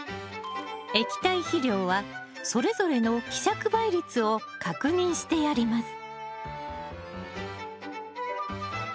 液体肥料はそれぞれの希釈倍率を確認してやります